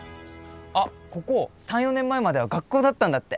あっここ３４年前までは学校だったんだって。